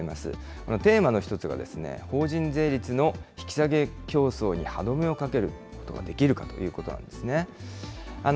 このテーマの一つが、法人税率の引き下げ競争に歯止めをかけることができるかということなんですね。